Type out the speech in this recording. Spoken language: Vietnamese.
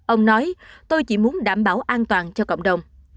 ông nói tôi chỉ muốn đảm bảo an toàn cho cộng đồng